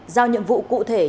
giao nhiệm vụ cụ thể